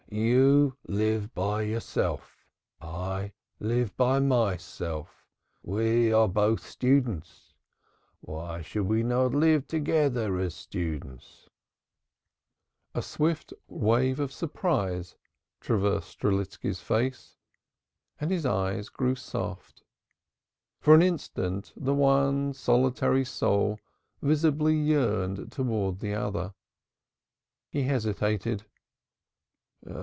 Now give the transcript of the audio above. "You live by yourself. I live by myself. We are both students. Why should we not live together as students, too?" A swift wave of surprise traversed Strelitski's face, and his eyes grew soft. For an instant the one solitary soul visibly yearned towards the other; he hesitated.